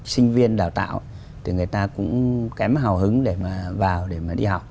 sinh viên đào tạo thì người ta cũng kém hào hứng để mà vào để mà đi học